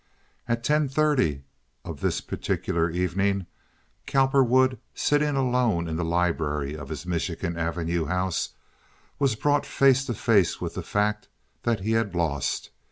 At ten thirty of this particular evening Cowperwood, sitting alone in the library of his Michigan Avenue house, was brought face to face with the fact that he had lost.